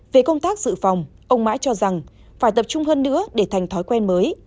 về công tác dự phòng ông mãi cho rằng phải tập trung hơn nữa để thành thói quen mới